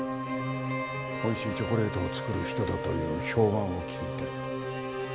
美味しいチョコレートを作る人だという評判を聞いて。